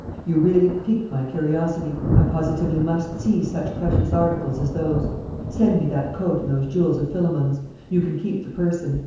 You really pique my curiosity: I positively must see such precious articles as those. Send me that coat and those jewels of Philemon's; you can keep the person.